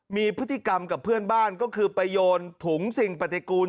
มีพฤติกรรมกับเพื่อนบ้านก็คือไปโยนถุงสิ่งปฏิกูล